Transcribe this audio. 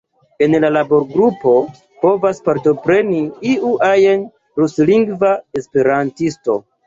En la laborgrupo povas partopreni iu ajn ruslingva esperantisto.